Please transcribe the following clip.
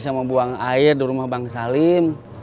sama buang air di rumah bang salim